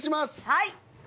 はい。